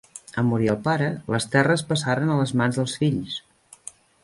En morir el pare, les terres passaren a les mans dels fills.